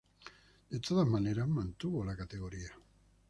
De todas maneras, mantuvo la categoría.